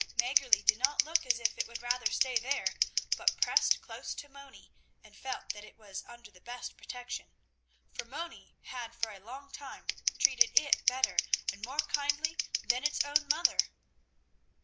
Mäggerli did not look as if it would rather stay there, but pressed close to Moni and felt that it was under the best protection, for Moni had for a long time treated it better and more kindly than its own mother.